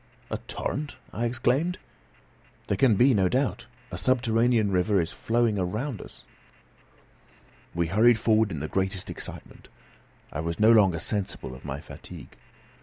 "A torrent?" I exclaimed. "There can be no doubt; a subterranean river is flowing around us." We hurried forward in the greatest excitement. I was no longer sensible of my fatigue.